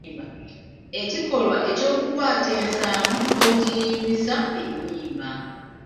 Ekikolwa ekyokukwata ensaamu n'ogiyimbisa ennyimba.